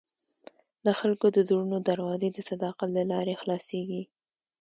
د خلکو د زړونو دروازې د صداقت له لارې خلاصېږي.